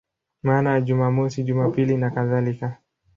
Maana ya Jumamosi, Jumapili nakadhalika.